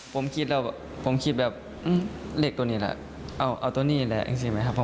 ผมคิดเรียบเบี้ยวเลขตัวนี้ล่ะเอาตัวนี้แหละอีกสิมิคริปปะ